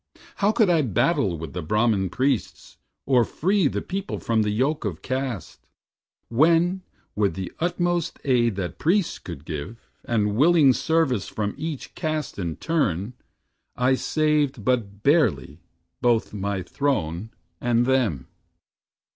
How could I battle with the Brahman priests, Or free the people from the yoke of caste, When, with the utmost aid that priests could give, And willing service from each caste in turn, I saved but barely both my throne and them.